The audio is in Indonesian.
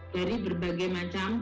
dari berbagai macam